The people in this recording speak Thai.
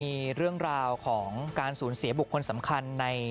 มีเรื่องราวของการสูญเสียบุคคลสำคัญใน